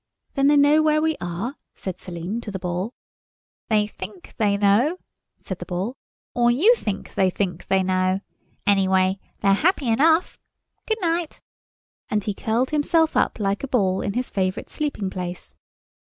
"Then they know where we are?" said Selim to the Ball. "They think they know," said the Ball, "or you think they think they know. Anyway, they're happy enough. Good night." And he curled himself up like a ball in his favourite sleeping place.